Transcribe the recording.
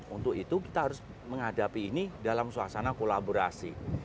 untuk itu kita harus menghadapi ini dalam suasana kolaborasi